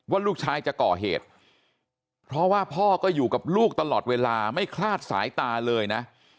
ลูกชายจะก่อเหตุเพราะว่าพ่อก็อยู่กับลูกตลอดเวลาไม่คลาดสายตาเลยนะ